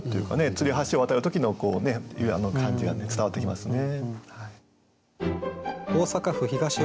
吊り橋を渡る時の感じが伝わってきますね。